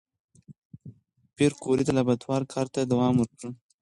پېیر کوري د لابراتوار کار ته دوام ورکړ.